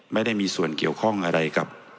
ไม่ได้มีส่วนเกี่ยวข้องอะไรกับ